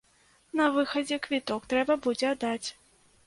На выхадзе квіток трэба будзе аддаць.